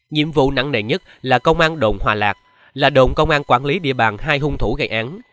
nhiệm vụ nặng nề nhất là công an đồn hòa lạc là đồn công an quản lý địa bàn hai hung thủ gây án